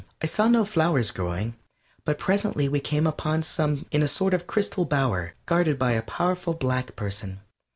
I saw no flowers growing, but presently we came upon some in a sort of crystal bower guarded by a powerful black person.